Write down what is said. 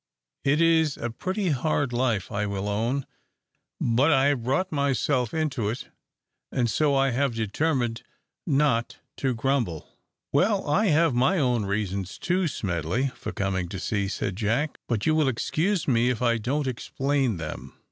It is a pretty hard life, I will own; but I have brought myself into it, and so I have determined not to grumble." "Well, I have my own reasons, too, Smedley, for coming to sea," said Jack, "but you will excuse me if I don't explain them.